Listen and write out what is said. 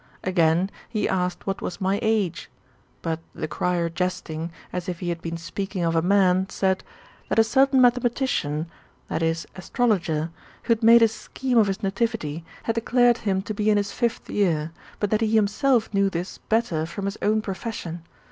Again he asked what was my aee ? But the crier jesting [as if he had been speaking of a man], said, *' That a certain mathematician [/>. astrologer] who had made a scheme of his nativity, had declared htm to be in his fifth year ; but that he himself knew this better from his own profession.